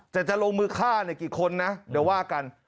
แต่จะลงมือฆ่าเนี่ยกี่คนนะเดี๋ยวว่ากัน